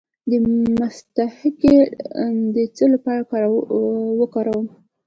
د مصطکي د څه لپاره وکاروم؟